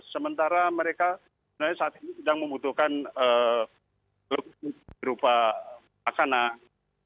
sementara mereka saat ini sedang membutuhkan berupa makanan